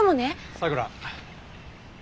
さくら。